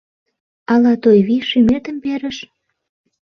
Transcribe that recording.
Ала Тойвий шӱметым перыш?